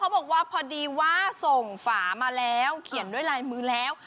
บอกว่าพอดีว่าส่งฝามาแล้วเขียนด้วยลายมือแล้ว